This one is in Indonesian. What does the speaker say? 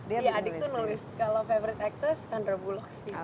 iya adiknya menulis kalau favorite actor sandra bullock sih